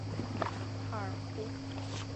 帕尔库。